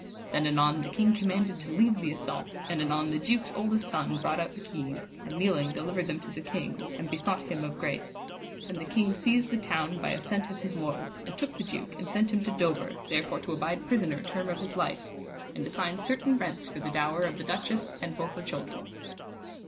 Then anon the king commanded to leave the assault, and anon the duke's oldest son brought out the keys, and kneeling delivered them to the king, and besought him of grace; and the king seized the town by assent of his lords, and took the duke and sent him to Dover, there for to abide prisoner term of his life, and assigned certain rents for the dower of the duchess and for her children.